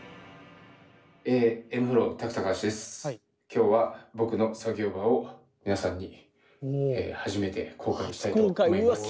今日は僕の作業場を皆さんに初めて公開したいと思います。